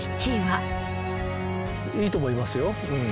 いいと思いますよ。